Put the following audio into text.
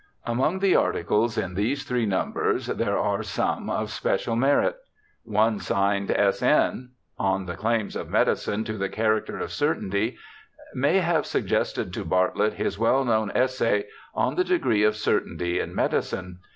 Among the articles in these three numbers there are some of special merit. One signed S. N., On the Claims of Medicine to the Character of Certainty, may have sug gested to Bartlett his well known essay, On the Degree of Certainty in Medicine.